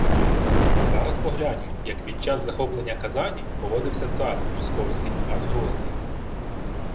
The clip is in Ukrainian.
А зараз погляньмо, як під час захоплення Казані поводився «цар» Московський Іван Грозний